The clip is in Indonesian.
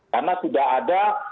karena sudah ada